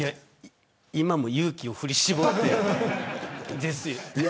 今も勇気を振り絞ってですよ。